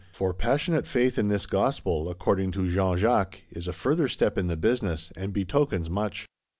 _ for passionate Faith in this Gospel according to Jean Jacques is a further step in the business; and betokens much.